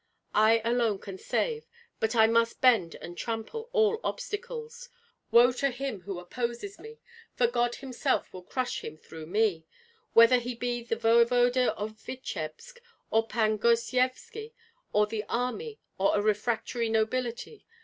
I alone can save, but I must bend and trample all obstacles. Woe to him who opposes me; for God himself will crush him through me, whether he be the voevoda of Vityebsk or Pan Gosyevski or the army, or a refractory nobility.